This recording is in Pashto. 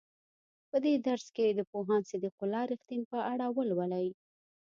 په دې درس کې د پوهاند صدیق الله رښتین په اړه ولولئ.